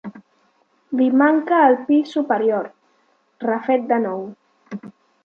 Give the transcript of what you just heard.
Li manca el pis superior, refet de nou.